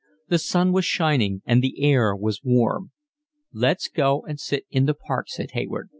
The sun was shining and the air was warm. "Let's go and sit in the Park," said Hayward.